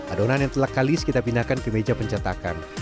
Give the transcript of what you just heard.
adonan yang telah kalis kita pindahkan ke meja pencetakan